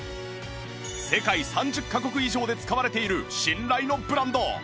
世界３０カ国以上で使われている信頼のブランド